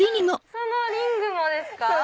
そのリングもですか？